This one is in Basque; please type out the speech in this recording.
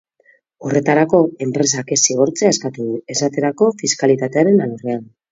Horretarako, enpresak ez zigortzea eskatu du, esaterako, fiskalitatearen alorrean.